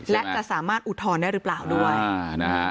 และจะสามารถอุทธรณ์ได้หรือเปล่าด้วย